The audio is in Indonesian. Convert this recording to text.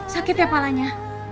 sakit ya palanya